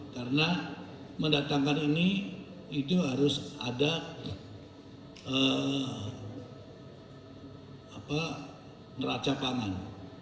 karena mendatangkan ini itu harus ada neraca pangan